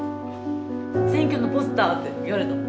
「選挙のポスター！」って言われたの？